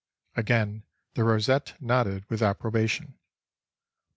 Again the rosette nodded with approbation.